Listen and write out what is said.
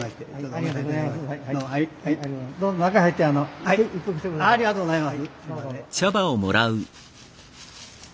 ありがとうございます。